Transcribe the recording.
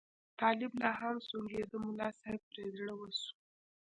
طالب لا هم سونګېده، ملا صاحب پرې زړه وسو.